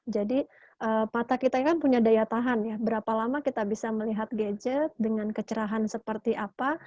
jadi mata kita kan punya daya tahan ya berapa lama kita bisa melihat gadget dengan kecerahan seperti apa